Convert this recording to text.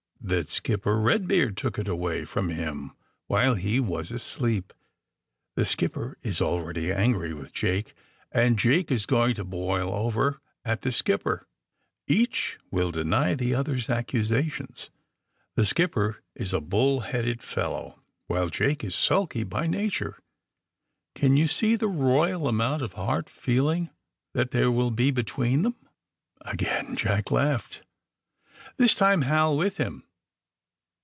That Skip per Redbeard took it away from him while he was asleep. The skipper is already angry with Jake, and Jake is going to boil over at the skip per. Each will deny the other's accusations. The skipper is a bull headed fellow, while Jake is sulky by nature. Can you see the royal amount of hard feeling that there will be be tween themf Again Jack laughed. This time Hal with him.